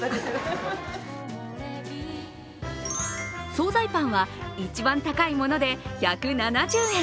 総菜パンは、一番高いもので１７０円。